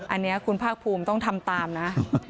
อันนี้คุณภาคภูมิต้องทำตามนะ